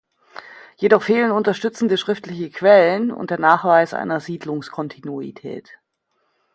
Jedoch fehlen unterstützende schriftliche Quellen und der Nachweis einer Siedlungskontinuität.